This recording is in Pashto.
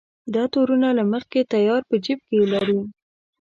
دا تورونه له مخکې تیار په جېب کې لري.